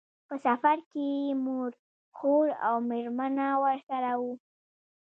په سفر کې یې مور، خور او مېرمنه ورسره وو.